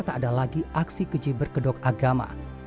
tak ada lagi aksi keji berkedok agama